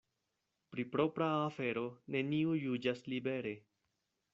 Pri propra afero neniu juĝas libere.